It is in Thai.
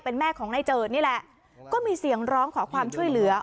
เป็นแม่ของนายเจิดนี่แหละก็มีเสียงร้องขอความช่วยเหลือ